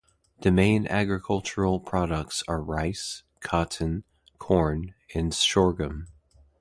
The main agricultural products are rice, cotton, corn and sorghum.